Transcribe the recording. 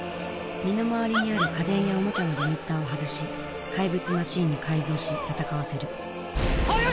身の回りにある家電やおもちゃのリミッターを外し怪物マシンに改造し戦わせる速い！